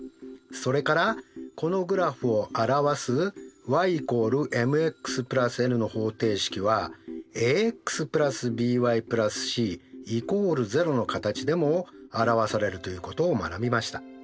それからこのグラフを表すｙ＝ｍｘ＋ｎの方程式はａｘ＋ｂｙ＋ｃ＝０の形でも表されるということを学びました。